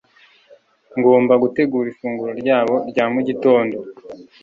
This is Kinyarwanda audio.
ngomba gutegura ifunguro ryabo rya mugitondo